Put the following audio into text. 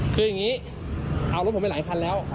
คืออย่างนี้เอารถผมไปหลายคันแล้ว